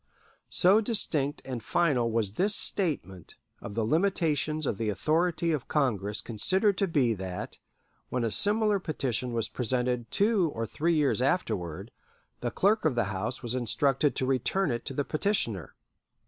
So distinct and final was this statement of the limitations of the authority of Congress considered to be that, when a similar petition was presented two or three years afterward, the Clerk of the House was instructed to return it to the petitioner.